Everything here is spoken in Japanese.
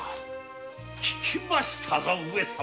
聞きましたぞ上様。